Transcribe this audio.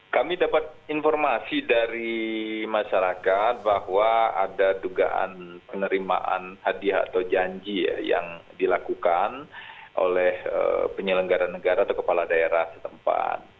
kami dapat informasi dari masyarakat bahwa ada dugaan penerimaan hadiah atau janji yang dilakukan oleh penyelenggara negara atau kepala daerah setempat